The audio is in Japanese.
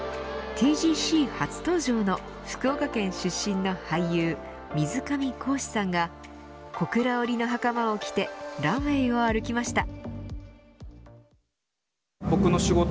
ＴＧＣ初登場の福岡県出身の俳優水上恒司さんが小倉織のはかまを着てランウェイを歩きました。